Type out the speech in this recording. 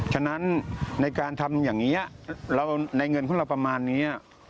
ฉะนั้นในการทำอย่างนี้ในเงินของเราประมาณนี้